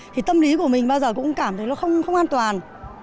thì tâm lý của mình bao giờ cũng cảm thấy nó không an toàn